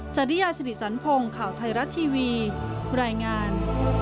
จริยาสิริสันพงศ์ข่าวไทยรัฐทีวีรายงาน